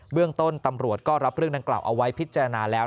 เรื่องต้นตำรวจก็รับเรื่องดังกล่าวเอาไว้พิจารณาแล้ว